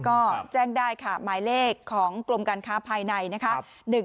ก็แจ้งได้ค่ะหมายเลขของกรมการค้าภายในนะคะ